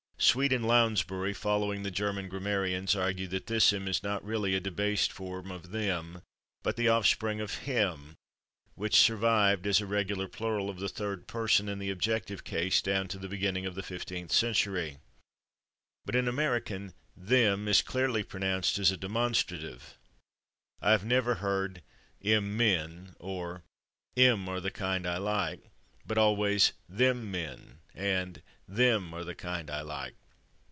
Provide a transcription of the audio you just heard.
Sweet and Lounsbury, following the German grammarians, argue that this /em/ is not really a debased form of /them/, but the offspring of /hem/, which survived as the regular plural of the third person in the objective case down to the beginning of the fifteenth century. But in American /them/ is clearly pronounced as a demonstrative. I have never heard "/em/ men" or "/em/ are the kind I like," but always "/them/ men" and "/them/ are the kind I like."